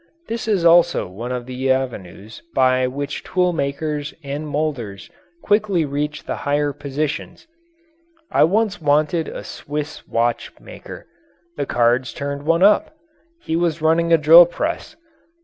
This is also one of the avenues by which tool makers and moulders quickly reach the higher positions. I once wanted a Swiss watch maker. The cards turned one up he was running a drill press.